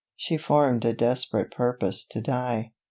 She formed a desperate purpose to die.